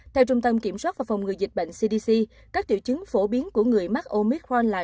theo trung tâm kiểm soát và phòng ngừa dịch bệnh cdc các triệu chứng phổ biến của người mắc omit honlin